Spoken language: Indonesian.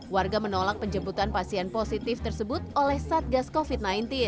warga menolak penjemputan pasien positif tersebut oleh satgas covid sembilan belas